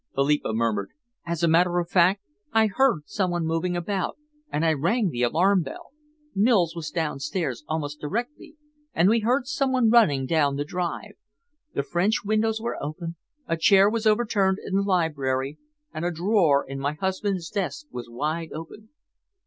Philippa murmured. "As a matter of fact, I heard some one moving about, and I rang the alarm bell. Mills was downstairs almost directly and we heard some one running down the drive. The French windows were open, a chair was overturned in the library, and a drawer in my husband's desk was wide open."